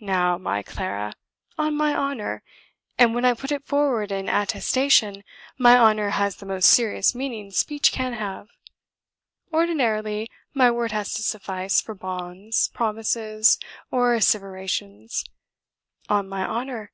Now, my Clara! on my honour! and when I put it forward in attestation, my honour has the most serious meaning speech can have; ordinarily my word has to suffice for bonds, promises, or asseverations; on my honour!